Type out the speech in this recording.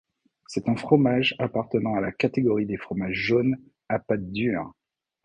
C'est un fromage appartenant à la catégorie des fromages jaunes à pâte dure.